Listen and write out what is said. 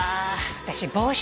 私「帽子」